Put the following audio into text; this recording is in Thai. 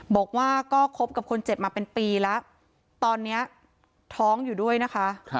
บอกว่าก็คบกับคนเจ็บมาเป็นปีแล้วตอนนี้ท้องอยู่ด้วยนะคะ